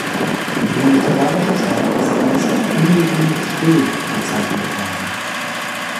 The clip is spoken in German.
Sein literarisches Werk ist als „ungewöhnlich still“ bezeichnet worden.